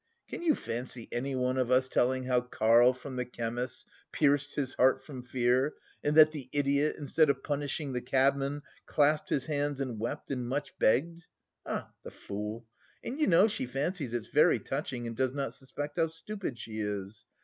Can you fancy anyone of us telling how 'Karl from the chemist's' 'pierced his heart from fear' and that the idiot, instead of punishing the cabman, 'clasped his hands and wept, and much begged.' Ah, the fool! And you know she fancies it's very touching and does not suspect how stupid she is!